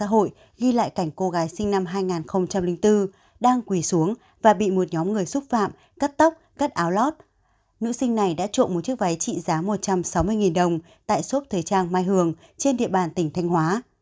cơ quan tối tụng đã ghi lại cảnh cô gái sinh năm hai nghìn bốn đang quỳ xuống và bị một nhóm người xúc phạm cắt tóc cắt áo lót nữ sinh này đã trộn một chiếc váy trị giá một trăm sáu mươi đồng tại shop thời trang mai hường trên địa bàn tỉnh thanh hóa